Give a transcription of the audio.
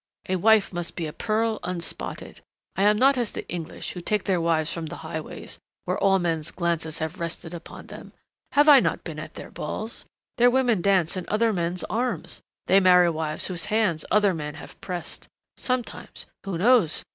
A wife must be a pearl unspotted.... I am not as the English who take their wives from the highways, where all men's glances have rested upon them. Have I not been at their balls? Their women dance in other men's arms. They marry wives whose hands other men have pressed. Sometimes who knows?